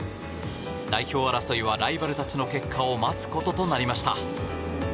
代表争いはライバルたちの結果を待つこととなりました。